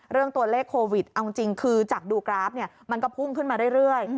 เรื่องตัวเลขโควิดเอาจริงคือจากดูกราฟเนี่ยมันก็พุ่งขึ้นมาเรื่อย